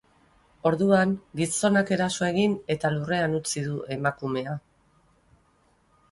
Orduan, gizonak eraso egin eta lurrean utzi du emakumea.